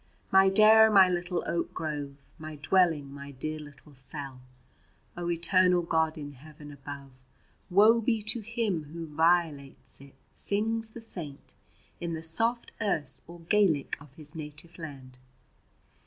My Daire, my little oak grove, My dwelling, my dear little cell; O Eternal God in Heaven above, Woe be to him who violates it, sings the Saint in the soft Erse or Gaelic of his native land.